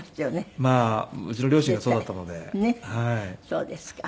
そうですか。